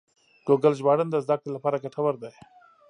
ګوګل ژباړن د زده کړې لپاره ګټور دی.